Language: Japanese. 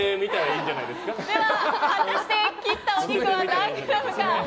では、果たして切ったお肉は何グラムか。